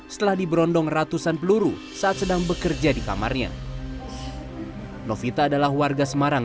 setelah diberondong ratusan peluru saat sedang bekerja di kamarnya novita adalah warga semarang